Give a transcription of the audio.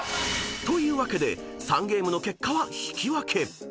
［というわけで３ゲームの結果は引き分け］